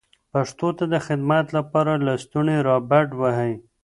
پښتو ته د خدمت لپاره لستوڼي را بډ وهئ.